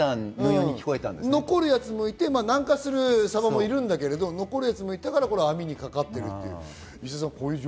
残るやつもいて、南下するサバもいるんだけれども、残るやつもいたから網に引っかかったと。